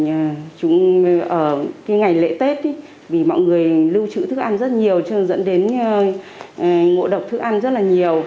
ở cái ngày lễ tết ý vì mọi người lưu trữ thức ăn rất nhiều cho dẫn đến ngộ độc thức ăn rất là nhiều